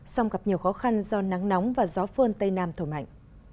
song gặp nhiều khó khăn do nắng nóng và gió phơn tây nam thổ mạnh